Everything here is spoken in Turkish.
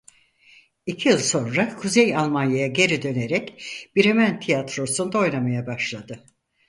İki yıl sonra Kuzey Almanya'ya geri dönerek Bremen Tiyatrosu'nda oynamaya başladı.